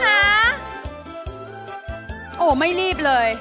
โหไม่รีบเลย